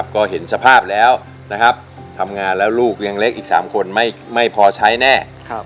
ก็เห็นสภาพแล้วนะครับทำงานแล้วลูกยังเล็กอีก๓คนไม่พอใช้แน่